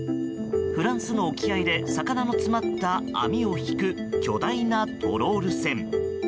フランスの沖合で魚の詰まった網を引く巨大なトロール船。